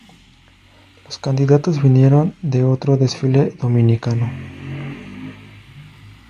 Los candidatos vinieron de otro desfile dominicano.